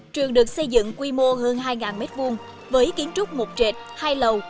trường được xây dựng quy mô hơn hai m hai với kiến trúc một trệt hai lầu